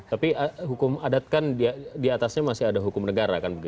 tapi hukum adat kan di atasnya masih ada hukum negara kan begitu